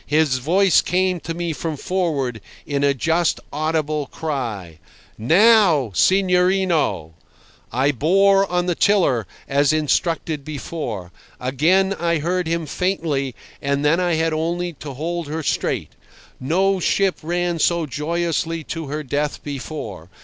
His voice came to me from forward, in a just audible cry: "Now, signorino!" I bore on the tiller, as instructed before. Again I heard him faintly, and then I had only to hold her straight. No ship ran so joyously to her death before.